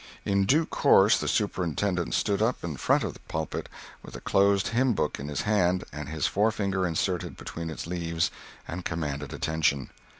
In due course the superintendent stood up in front of the pulpit, with a closed hymn book in his hand and his forefinger inserted between its leaves, and commanded attention.